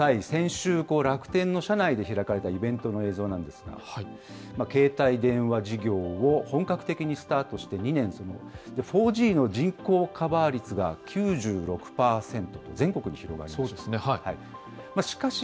先週、楽天の社内で開かれたイベントの映像なんですが、携帯電話事業を本格的にスタートして２年、４Ｇの人口カバー率が９６％と全国に広がりました。